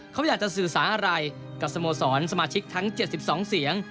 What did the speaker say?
เขาอยากจะสื่อสารอะไรกับสโมสรสมาชิกทั้ง๗๒เสียง